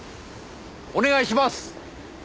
お願いします。